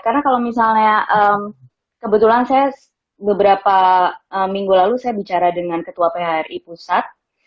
karena kalau misalnya kebetulan saya beberapa minggu lalu saya bicara dengan ketua phri pusat